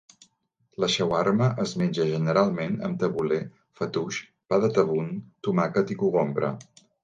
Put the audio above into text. La shawarma es menja generalment amb tabulé, fattoush, pa de taboon, tomàquet i cogombre.